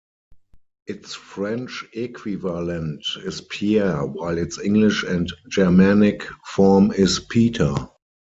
Its French equivalent is Pierre while its English and Germanic form is Peter.